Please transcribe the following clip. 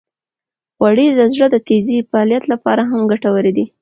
غوړې د زړه د تېزې فعالیت لپاره هم ګټورې دي.